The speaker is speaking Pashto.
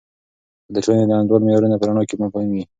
که د ټولنې د انډول د معیارونو په رڼا کې مفاهیم وي.